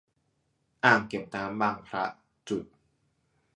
อ่างเก็บน้ำบางพระ.